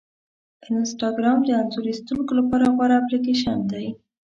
انسټاګرام د انځور ایستونکو لپاره غوره اپلیکیشن دی.